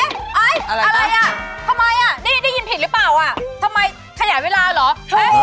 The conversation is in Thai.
อะไรอ่ะทำไมอ่ะได้ยินผิดหรือเปล่าอ่ะทำไมขยายเวลาเหรอเฮ้ย